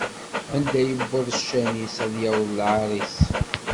Anda iwweḍ ccan-is, ad yaweḍ lɛaṛ-is.